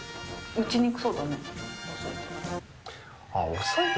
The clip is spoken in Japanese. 打ちにくそうだね、遅いと。